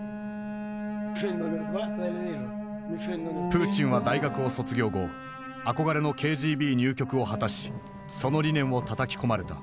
プーチンは大学を卒業後憧れのＫＧＢ入局を果たしその理念をたたき込まれた。